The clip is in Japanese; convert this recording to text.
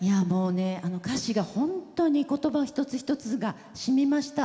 歌詞が本当に言葉一つ一つがしみました。